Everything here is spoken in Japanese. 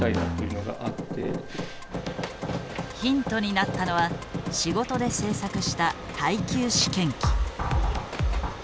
ヒントになったのは仕事で制作した耐久試験機。